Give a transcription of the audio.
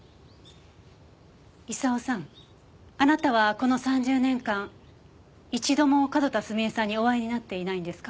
功さんあなたはこの３０年間一度も角田澄江さんにお会いになっていないんですか？